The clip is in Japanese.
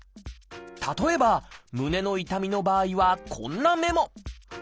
例えば胸の痛みの場合はこんなメモ。